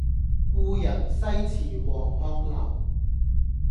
故人西辭黃鶴樓